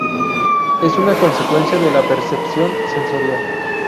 Es una consecuencia de la percepción sensorial.